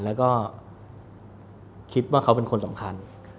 แล้วก็คิดว่าเขาเป็นคนสำคัญ